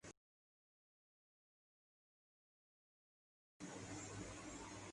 گھر پے کوئی نہیں تھا۔